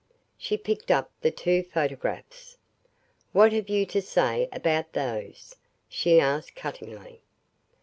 She picked up the two photographs. "What have you to say about those?" she asked cuttingly.